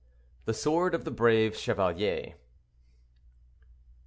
"THE SWORD OF THE BRAVE CHEVALIER."